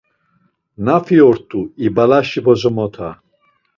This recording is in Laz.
Nafi ort̆u, İbalaşi bozomota.